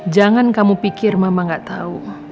jangan kamu pikir mama gak tahu